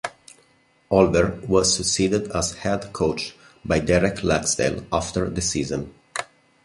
Olver was succeeded as head coach by Derek Laxdal after the season.